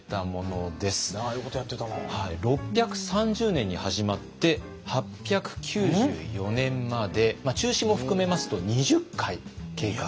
６３０年に始まって８９４年まで中止も含めますと２０回計画されていた。